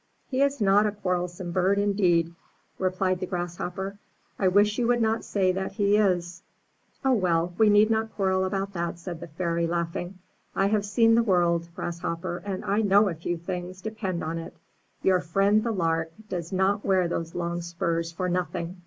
''He is not a quarrelsome bird indeed," replied the 365 MY BOOK HOUSE Grasshopper. *'I wish you would not say that he is/' ''Oh, well, we need not quarrel about that,'' said the Fairy, laughing; ''I have seen the world. Grass hopper, and I know a few things, depend upon it. Your friend the Lark does not wear those long spurs for nothing."